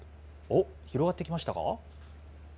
広がってきましたか？